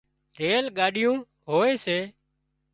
ريل ڳاڏيون هوئي سي